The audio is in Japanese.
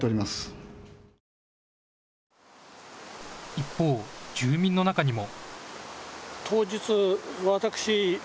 一方、住民の中にも。